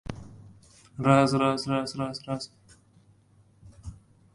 • Olim ham adashishi mumkin.